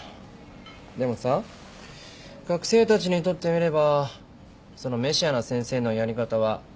でもさ学生たちにとってみればそのメシアな先生のやり方はありがたいと思うかもね。